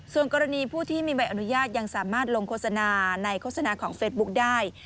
ส่วนกรณีผู้ที่มีใบอนุญาตยังสามารถลงโฆษณาในโฆษณาของเฟซบุ๊กได้